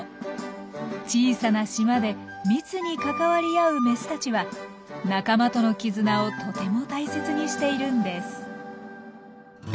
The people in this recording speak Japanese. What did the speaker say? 小さな島で密に関わり合うメスたちは仲間との絆をとても大切にしているんです。